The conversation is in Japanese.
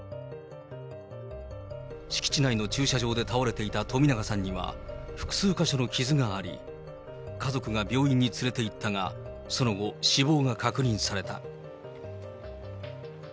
敷地内の駐車場で倒れていた冨永さんには、複数箇所の傷があり、家族が病院に連れて行ったが、その後、死亡が確認された。